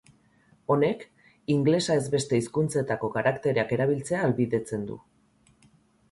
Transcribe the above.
Honek ingelesa ez beste hizkuntzetako karaktereak erabiltzea ahalbidetzen du.